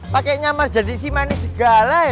pakai nyamar jadi si manis segala